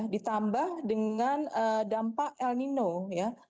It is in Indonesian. ditambah dengan dampak el nino ya